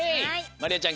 まりあちゃん